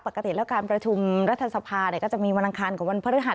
ปกติแล้วการประชุมรัฐสภาก็จะมีวันอังคารกับวันพฤหัส